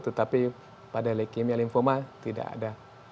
tetapi pada leukemia lymphoma tidak ada